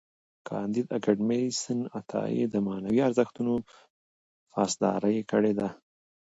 کانديد اکاډميسن عطایي د معنوي ارزښتونو پاسداري کړې ده.